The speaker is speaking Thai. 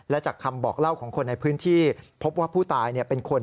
และจากคำบอกเล่าของคนในพื้นที่พบว่าผู้ตายเป็นคน